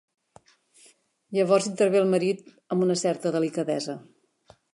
Llavors intervé el marit, amb una certa delicadesa.